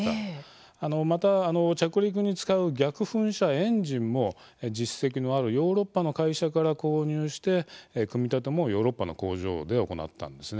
また着陸に使う逆噴射エンジンも実績のあるヨーロッパの会社から購入して、組み立てもヨーロッパの工場で行ったんです。